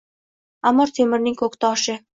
Amir Temurning “Ko‘ktosh”i